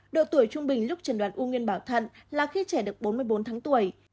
độ tuổi trung bình lúc trần đoán ung nguyên bảo thận là khi trẻ được bốn mươi bốn tháng tuổi